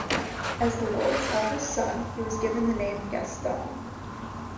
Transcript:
As the lord's eldest son, he was given the name, Gaston.